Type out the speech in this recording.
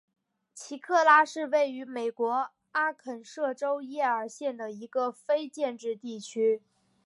奇克拉是位于美国阿肯色州耶尔县的一个非建制地区。